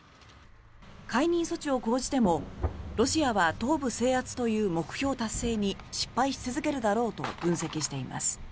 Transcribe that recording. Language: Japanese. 解任措置を講じてもロシアは東部制圧という目標達成に失敗し続けるだろうと分析しています。